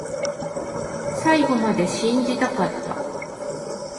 最後まで信じたかった